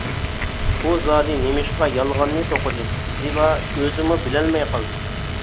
ئۇ زادى نېمىشقا يالغاننى توقۇدى، زىبا ئۆزىمۇ بىلەلمەي قالدى.